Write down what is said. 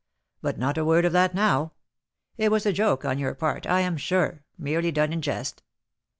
But not a word of that now; it was a joke on your part, I am sure, merely done in jest.